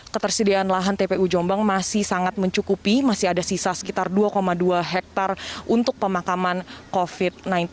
ketersediaan lahan tpu jombang masih sangat mencukupi masih ada sisa sekitar dua dua hektare untuk pemakaman covid sembilan belas